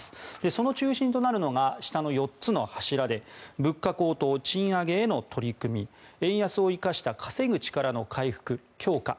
その中心となるのが下の４つの柱で物価高騰、賃上げへの取り組み円安を生かした稼ぐ力の回復・強化